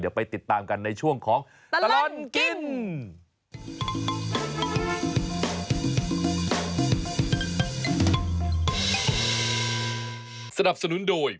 เดี๋ยวไปติดตามกันในช่วงของตลอดกิน